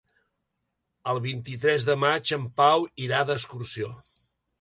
El vint-i-tres de maig en Pau irà d'excursió.